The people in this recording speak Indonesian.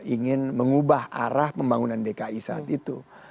ingin mengubah arah pembangunan dki saat itu